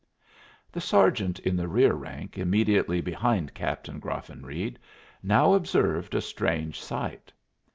The sergeant in the rear rank, immediately behind Captain Graffenreid, now observed a strange sight.